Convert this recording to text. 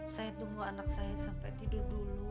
saya tunggu anak saya sampai tidur dulu